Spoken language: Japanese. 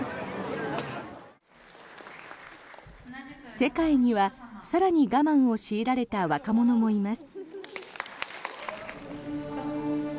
世界には更に我慢を強いられた若者もいます。